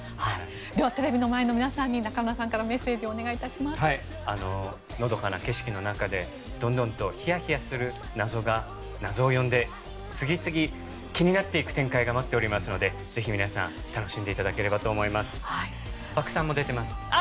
では、テレビの前の皆さんに中村さんからのどかな景色の中でどんどんとひやひやする謎が謎を呼んで気になっていく展開が待っておりますので、ぜひ皆さん楽しんでいただければと思います。